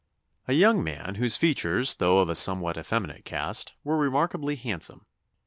] "A young man whose features, though of a somewhat effeminate cast, were remarkably handsome.